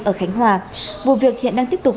ở khánh hòa vụ việc hiện đang tiếp tục